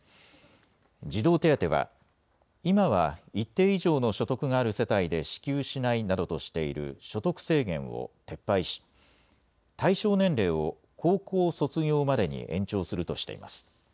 児童手当は、今は一定以上の所得がある世帯で支給しないなどとしている所得制限を撤廃し、対象年齢を高校卒業までに延長するとしています。